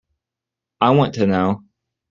I want to know.